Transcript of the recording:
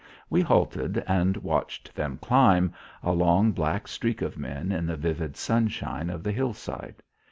We halted and watched them climb, a long black streak of men in the vivid sunshine of the hillside.